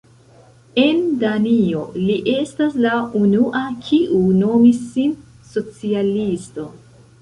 En Danio li estas la unua kiu nomis sin socialisto.